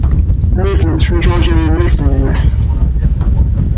Movements from Georgia were most numerous.